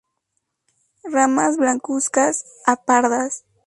Ramas blancuzcas a pardas.